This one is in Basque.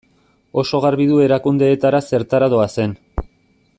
Oso garbi du erakundeetara zertara doazen.